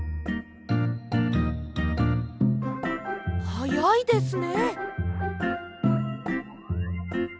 はやいですね。